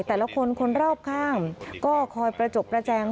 แต่ละคนคนรอบข้างก็คอยประจบประแจง